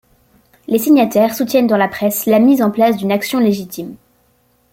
Les signataires soutiennent dans la presse la mise en place d'une action légitime.